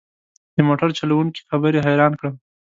د موټر چلوونکي خبرې حيران کړم.